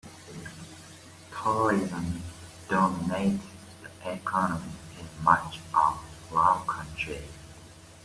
Tourism dominates the economy in much of the Lowcountry.